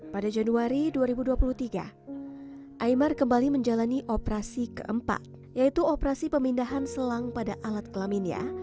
pada januari dua ribu dua puluh tiga imar kembali menjalani operasi keempat yaitu operasi pemindahan selang pada alat kelaminnya